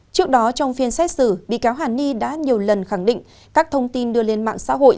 trước đó trong phiên xét xử bị cáo hàn ni đã nhiều lần khẳng định các thông tin đưa lên mạng xã hội